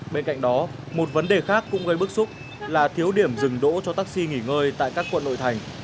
bên cạnh đó một vấn đề khác cũng gây bức xúc là thiếu điểm dừng đỗ cho taxi nghỉ ngơi tại các quận nội thành